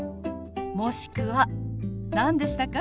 もしくは何でしたか？